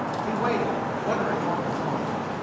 He waited, wondering what was wrong.